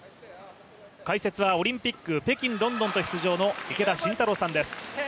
解説は、オリンピック北京、ロンドンと出場の池田信太郎さんです。